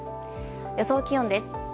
予想気温です。